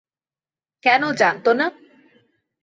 কেন জানতো না।